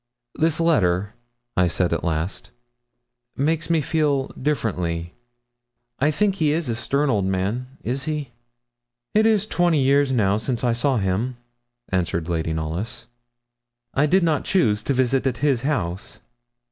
'This letter,' I said at last, 'makes me feel differently. I think he is a stern old man is he?' 'It is twenty years, now, since I saw him,' answered Lady Knollys. 'I did not choose to visit at his house.'